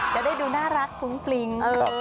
จะได้ดูน่ารักฟุ้งฟริ้ง